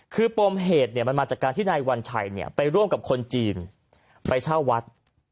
คือปมเหตุเนี่ยมันมาจากการที่นายวัญชัยไปร่วมกับคนจีนไปเช่าวัด